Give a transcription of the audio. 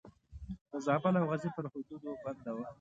د زابل او غزني پر حدودو بنده وه.